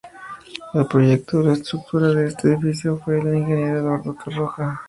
El proyecto de la estructura de este edificio fue del ingeniero Eduardo Torroja.